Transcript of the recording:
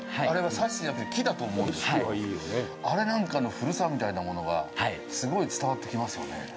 あれはサッシじゃなくて木だと思うんですけど、あれなんかの古さみたいなものがすごい伝わってきますよね。